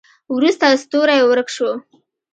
وروسته ستوری ورک شو.